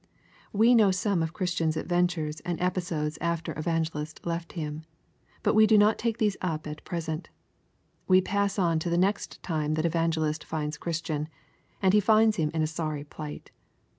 We know some of Christian's adventures and episodes after Evangelist left him, but we do not take up these at present. We pass on to the next time that Evangelist finds Christian, and he finds him in a sorry plight.